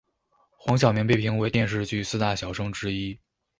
黄晓明被评为电视剧四大小生之一。